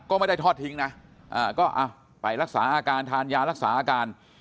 ก็ไม่ได้ทอดทิ้งนะก็ไปรักษาอาการทานยารักษาอาการ